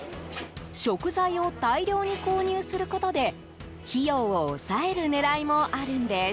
食材を大量に購入することで費用を抑える狙いもあるんです。